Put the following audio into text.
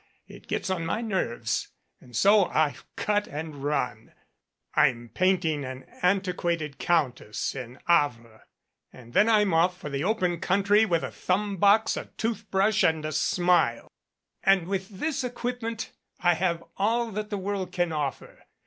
It gets on my nerves, and so I've cut it and run. 97 MADCAP I'm painting an antiquated countess in Havre, and then I'm off for the open country with a thumb box, a toothbrush and a smile, and with this equipment I have all that the world can offer.